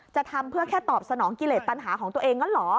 จะทำเพื่อแค่ตอบสนองกิเลสตัญหาของตัวเองงั้นเหรอ